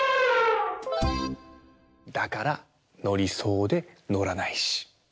だからのりそうでのらないし。